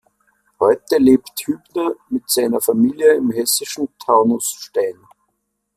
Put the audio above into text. Heute lebt Hübner mit seiner Familie im hessischen Taunusstein.